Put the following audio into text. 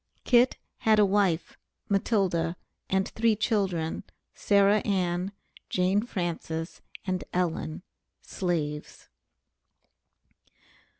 Kit had a wife, Matilda, and three children, Sarah Ann, Jane Frances, and Ellen, slaves.